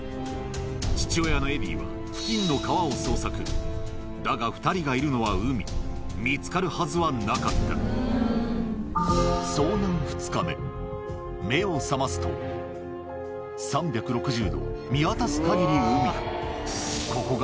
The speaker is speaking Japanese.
父親のエディーは付近のだが２人がいるのは海見つかるはずはなかった目を覚ますと３６０度見渡す限り海だ